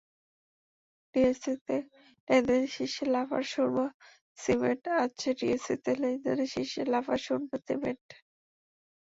ডিএসইতে লেনদেনে শীর্ষে লাফার্জ সুরমা সিমেন্টআজ ডিএসইতে লেনদেনে শীর্ষে রয়েছে লাফার্জ সুরমা সিমেন্ট।